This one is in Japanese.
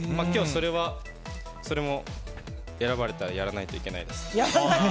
今日はそれも選ばれたらやらないといけないです。